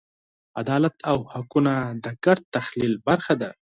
عدالت او حقونه د ګډ تخیل برخه ده.